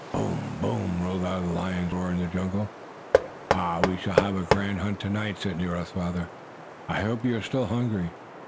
"Boom! Boom!" rolled out the lions' roars in the jungle. "Ah, we shall have a grand hunt to night!" said Nero's father. "I hope you are still hungry."